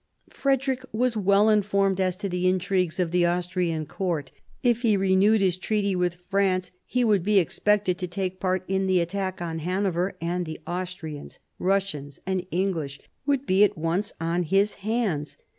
Frederick was well informed as to the intrigues of the Austrian court. If he renewed his treaty with France, he would be expected to take part in the attack on Hanover, and the Austrians, Russians, and English would be at once on his hands.